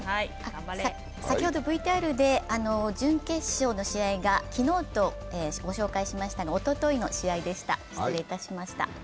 先ほどＶＴＲで準決勝の試合が昨日と御紹介しましたが、おとといの試合でした。